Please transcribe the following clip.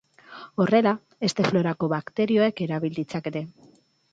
Horrela, heste-florako bakterioek erabil ditzakete.